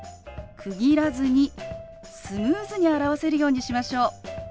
区切らずにスムーズに表せるようにしましょう。